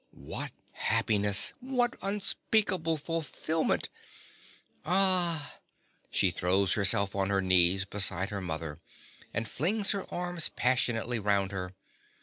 What happiness! what unspeakable fulfilment! Ah! (_She throws herself on her knees beside her mother and flings her arms passionately round her.